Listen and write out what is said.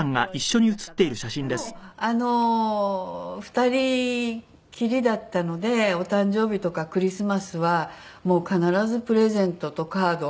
二人っきりだったのでお誕生日とかクリスマスはもう必ずプレゼントとカード。